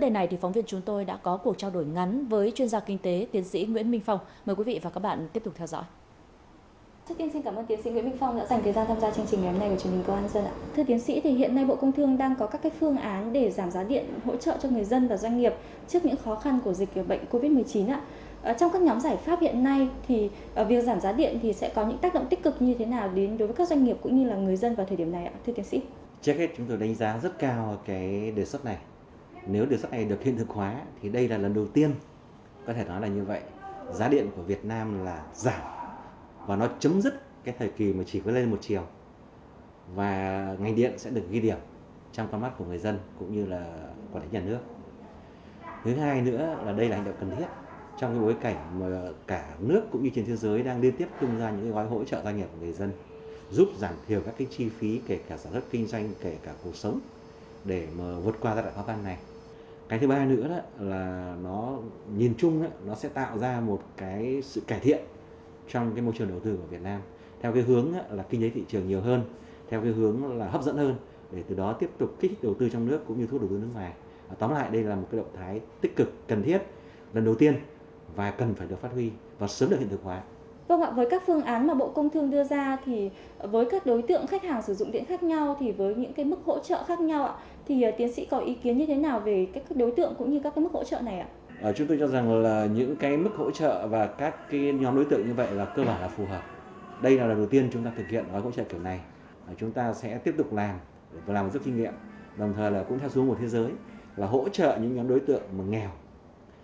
đồng thời là cũng theo dung của thế giới là hỗ trợ những đối tượng mà nghèo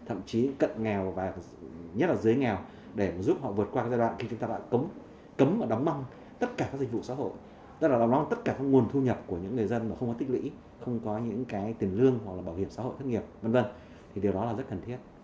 thậm chí cận nghèo và nhất là dưới nghèo để giúp họ vượt qua giai đoạn khi chúng ta lại cấm và đóng măng tất cả các dịch vụ xã hội tất cả các nguồn thu nhập của những người dân mà không có tích lĩ không có những cái tiền lương hoặc là bảo hiểm xã hội thất nghiệp v v thì điều đó là rất cần thiết